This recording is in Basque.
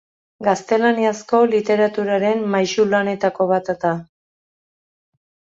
Gaztelaniazko literaturaren maisulanetako bat da.